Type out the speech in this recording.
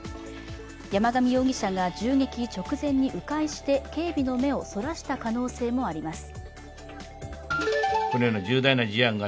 山上容疑者が銃撃直前に迂回して警備の目をそらした可能性もあります。